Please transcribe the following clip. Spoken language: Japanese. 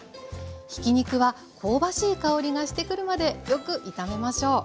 ひき肉は香ばしい香りがしてくるまでよく炒めましょう。